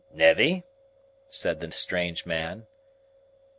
"Nevvy?" said the strange man.